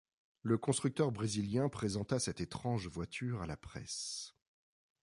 Le constructeur brésilien présenta cette étrange voiture à la presse.